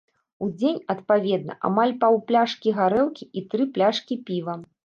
У дзень, адпаведна, амаль паўпляшкі гарэлкі, і тры пляшкі піва.